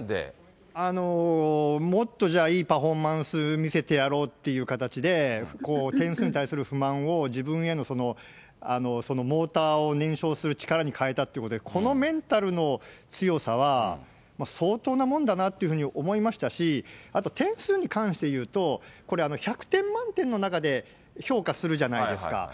もっとじゃあ、いいパフォーマンス見せてやろうっていう形で、点数に対する不満を、自分へのモーターを燃焼する力に変えたっていうことで、このメンタルの強さは、相当なもんだなっていうふうに思いましたし、あと点数に関して言うと、これ、１００点満点の中で評価するじゃないですか。